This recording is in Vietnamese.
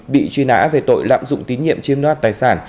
bị truy nã về tội lạm dụng tín nhiệm chiêm đoát tài sản